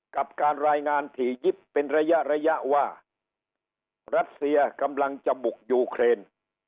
กับการรายงานถี่ยิบเป็นระยะระยะว่ารัสเซียกำลังจะบุกยูเครน